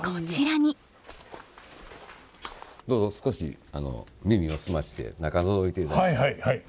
どうぞ少し耳を澄まして中のぞいていただいて。